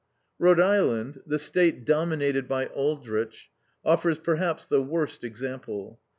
Rhode Island, the State dominated by Aldrich, offers perhaps the worst example.